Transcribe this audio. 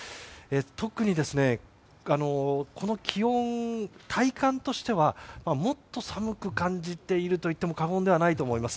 特にこの気温、体感としてはもっと寒く感じているといっても過言ではないと思います。